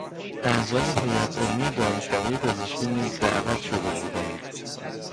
اعضا هیئت علمی دانشکدهی پزشکی نیز دعوت شده بودند.